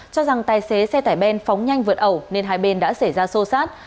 cho rằng tài xế xe tải ben phóng nhanh vượt ẩu nên hai bên đã xảy ra sô sát